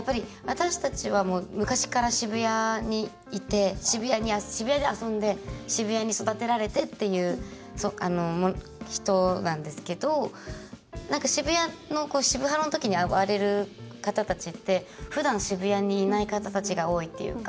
私たちは昔から渋谷にいて渋谷で遊んで渋谷に育てられてという人なんですけど渋谷の渋ハロの時に暴れる方たちってふだん、渋谷にいない方たちが多いというか。